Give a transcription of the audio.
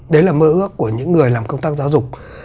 đấy là mơ ước của những người làm công tác giáo dục